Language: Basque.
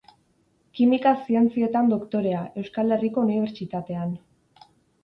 Kimika Zientzietan doktorea, Euskal Herriko Unibertsitatean.